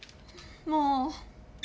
もう！